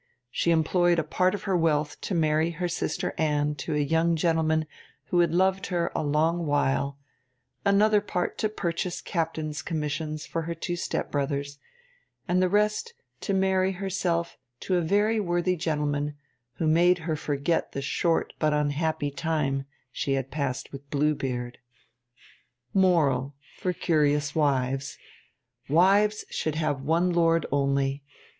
She employed a part of her wealth to marry her sister Anne to a young gentleman who had loved her a long while; another part to purchase captains' commissions for her two step brothers; and the rest to marry herself to a very worthy gentleman who made her forget the short but unhappy time she had passed with Blue Beard. MORAL (For Curious Wives) _Wives should have one lord only.